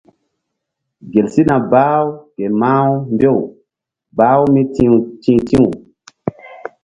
Gel sina bah-u ke mah-u mbew bah-u mí ti̧h ti̧w.